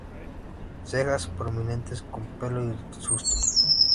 Cejas prominentes, con pelo hirsuto.